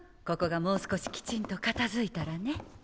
ここがもう少しきちんと片づいたらね。